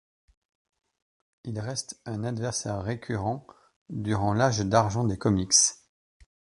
Il reste un adversaire récurrent durant l'Âge d'Argent des comics.